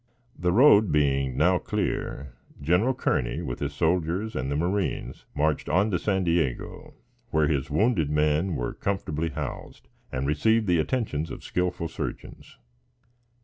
The road being now clear, General Kearney, with his soldiers and the marines, marched on to San Diego, where his wounded men were comfortably housed and received the attentions of skillful surgeons.